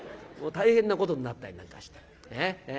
もう大変なことになったりなんかして。